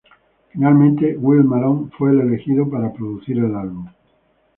Finalmente, Will Malone fue el elegido para producir el álbum.